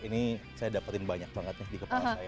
ini saya dapetin banyak banget nih di kepala saya